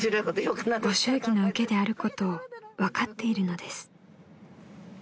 ［ご祝儀のウケであることを分かっているのです］